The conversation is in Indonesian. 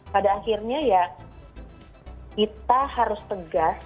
pada akhirnya ya kita harus tegas